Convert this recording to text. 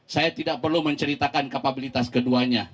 saya tidak perlu menceritakan kapabilitas keduanya